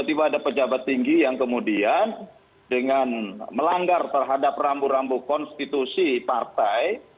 tiba tiba ada pejabat tinggi yang kemudian dengan melanggar terhadap rambu rambu konstitusi partai